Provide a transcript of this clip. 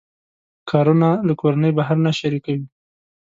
کارونه له کورنۍ بهر نه شریکوي.